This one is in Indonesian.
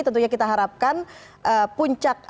tentunya kita harapkan puncak